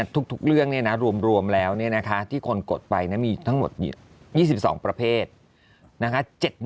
ทุกเรื่องเนี่ยนะรวมแล้วเนี่ยนะคะที่คนกดไปนะมีทั้งหมด๒๒ประเภทนะคะ